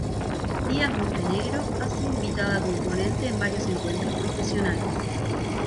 Díaz-Montenegro ha sido invitada como ponente en varios encuentros profesionales.